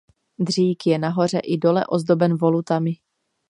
Dřík je nahoře i dole ozdoben volutami.